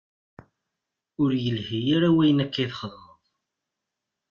Ur ilhi ara wayen akka i txedmem.